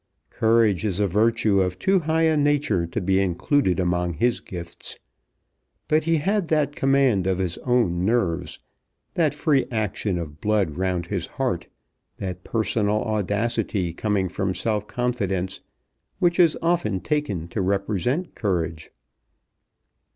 Courage is a virtue of too high a nature to be included among his gifts; but he had that command of his own nerves, that free action of blood round his heart, that personal audacity coming from self confidence, which is often taken to represent courage.